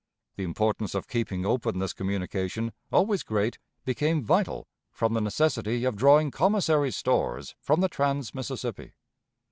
The importance of keeping open this communication, always great, became vital from the necessity of drawing commissary's stores from the trans Mississippi.